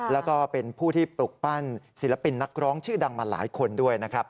แล้วก็เป็นผู้ที่ปลุกปั้นศิลปินนักร้องชื่อดังมาหลายคนด้วยนะครับ